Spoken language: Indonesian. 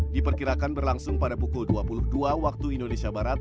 diperkirakan berlangsung pada pukul dua puluh dua waktu indonesia barat